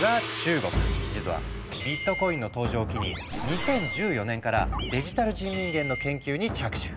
実はビットコインの登場を機に２０１４年からデジタル人民元の研究に着手。